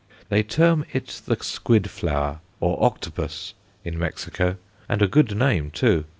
They term it the Squid Flower, or Octopus, in Mexico; and a good name too.